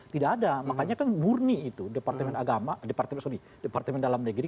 tidak ada makanya kan murni itu departemen dalam negeri